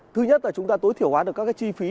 thứ nhất là chúng ta tối thiểu hóa được các cái chi phí